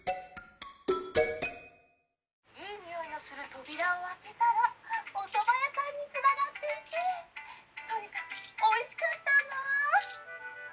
「いいにおいのする扉を開けたらおそば屋さんにつながっていてとにかくおいしかったんだ」。